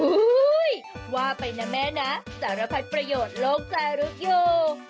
อุ๊ยว่าไปนะแม่นะแต่ระพัดประโยชน์โลกใจรึกอยู่